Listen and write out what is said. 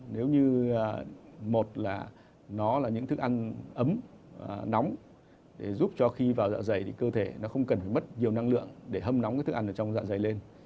nếu như một là nó là những thức ăn ấm nóng để giúp cho khi vào dạ dày thì cơ thể nó không cần phải mất nhiều năng lượng để hâm nóng cái thức ăn ở trong dạng dày lên